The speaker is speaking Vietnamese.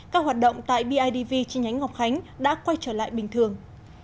các hoạt động tại bidv chi nhánh ngọc khánh đã quay trở lại bình thường